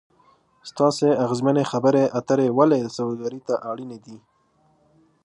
ستاسې اغیزمنې خبرې اترې ولې سوداګري ته اړینې دي ؟